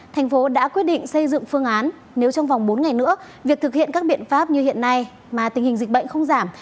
thành phố đã quyết định xây dựng phương án nếu trong vòng bốn ngày nữa việc thực hiện các biện pháp như hiện nay mà tình hình dịch bệnh không giảm